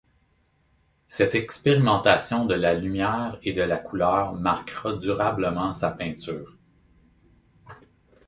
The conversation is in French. Cette expérimentation de la lumière et de la couleur marquera durablement sa peinture.